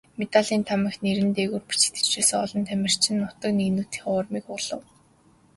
Медалийн таамагт нэр нь дээгүүр бичигдэж байсан олон тамирчин нутаг нэгтнүүдийнхээ урмыг хугалав.